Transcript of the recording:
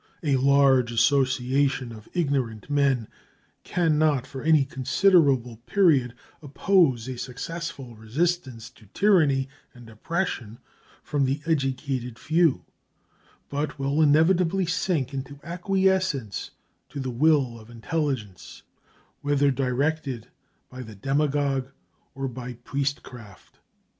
A large association of ignorant men can not for any considerable period oppose a successful resistance to tyranny and oppression from the educated few, but will inevitably sink into acquiescence to the will of intelligence, whether directed by the demagogue or by priestcraft.